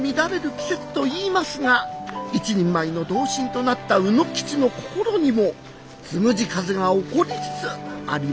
季節といいますが一人前の同心となった卯之吉の心にもつむじ風が起こりつつありました。